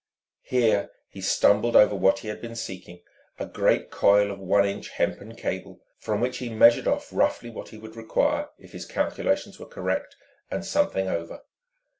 Here he stumbled over what he had been seeking, a great coil of one inch hempen cable, from which he measured off roughly what he would require, if his calculations were correct, and something over.